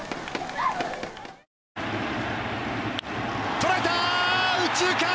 捉えた、右中間！